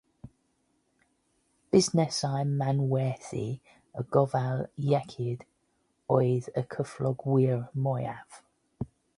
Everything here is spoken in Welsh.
Busnesau manwerthu a gofal iechyd oedd y cyflogwyr mwyaf.